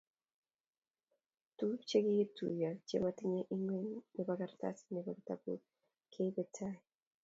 Tuguk chigituiyo chemiten ingweny nebo karatasit nebo kitabut keibe tai---